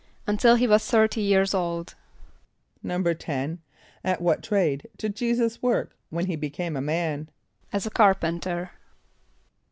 =Until he was thirty years old.= =10.= At what trade did J[=e]´[s+]us work when he became a man? =As a carpenter.